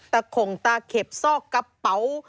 ข่งตาเข็บซอกกระเป๋า